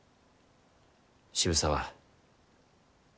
渋沢